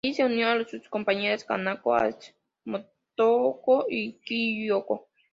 Ahí se unió a sus compañeras "Kanako", "Atsuko", "Tomoko" y "Kyoko".